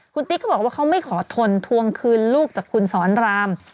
คุณติ๊กเขาบอกว่าเขาไม่ขอทนทวงคืนลูกจากคุณสอนราม